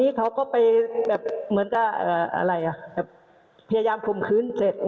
นี้เขาก็ไปแบบเหมือนจะอะไรอ่ะพยายามคมขึ้นเสร็จอย่าง